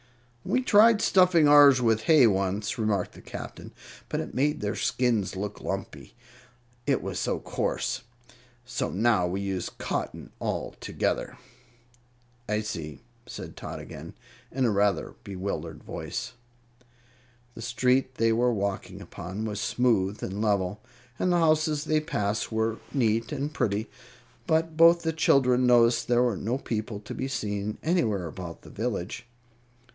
"We tried stuffing ours with hay once," remarked the Captain; "but it made their skins look lumpy, it was so coarse; so now we use cotton altogether." "I see," said Tot again, in a rather bewildered voice. The street they were walking upon was smooth and level, and the houses they passed were neat and pretty; but both the children noticed there were no people to be seen anywhere about the village.